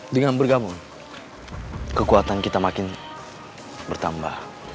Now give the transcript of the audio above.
dengan bergabung kekuatan kita makin bertambah